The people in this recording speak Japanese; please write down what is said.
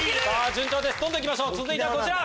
順調ですどんどんいきましょう続いてはこちら。